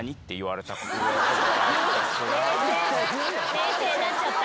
冷静になっちゃった。